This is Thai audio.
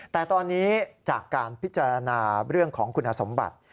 แต่ตอนนี้จากการพิจารณาเรื่องของคุณสมบัติ